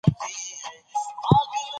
افغانستان به د نړۍ په منځ کې وځليږي.